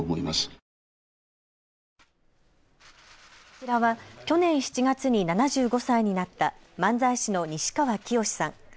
こちらは去年７月に７５歳になった漫才師の西川きよしさん。